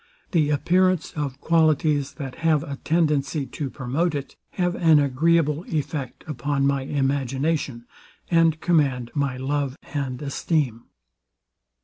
The appearance of qualities, that have a tendency to promote it, have an agreeable effect upon my imagination, and command my love and esteem.